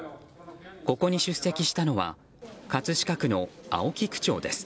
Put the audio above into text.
ここに出席したのは葛飾区の青木区長です。